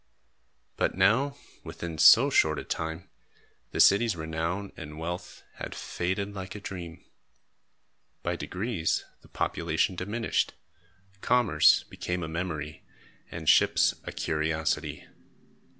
But now, within so short a time, the city's renown and wealth had faded like a dream. By degrees, the population diminished, commerce became a memory, and ships a curiosity.